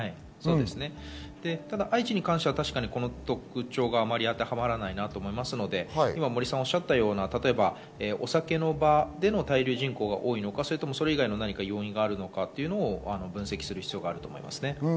ただ愛知に関しては、この特徴があまり当てはまらないなと思いますので、森さんがおっしゃったようにお酒の場での滞留人口が多いのか、それ以外の要因があるのかを分析する必要があると思います。